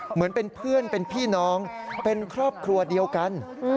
เหมือนเป็นเพื่อนเป็นพี่น้องเป็นครอบครัวเดียวกัน